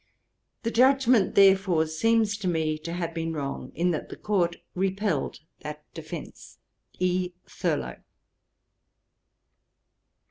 The judgement, therefore, seems to me to have been wrong, in that the Court repelled that defence. 'E. THURLOW.'